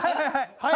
はい。